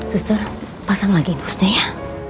suster pasang lagi busnya ya